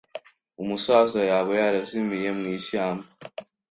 Umusaza yaba yarazimiye mwishyamba?